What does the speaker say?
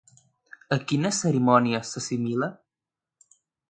A quines cerimònies s'assimila?